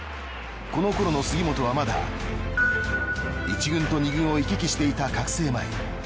この頃の杉本はまだ１軍と２軍を行き来していた覚醒前。